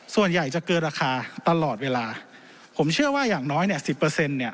ส่วนใหญ่จะเกินราคาตลอดเวลาผมเชื่อว่าอย่างน้อยเนี่ยสิบเปอร์เซ็นต์เนี่ย